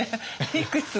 いくつも。